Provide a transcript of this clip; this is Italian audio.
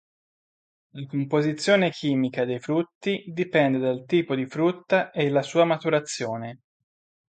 La composizione chimica dei frutti dipende dal tipo di frutta e la sua maturazione.